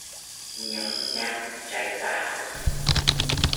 Nhấm nháp trái táo